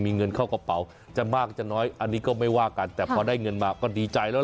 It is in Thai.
มีเงินเข้ากระเป๋าจะมากจะน้อยอันนี้ก็ไม่ว่ากันแต่พอได้เงินมาก็ดีใจแล้ว